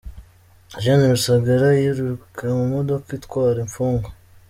Gen.Rusagara yururuka mu modoka itwara imfungwa